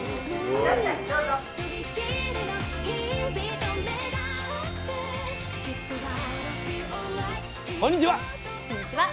こんにちは。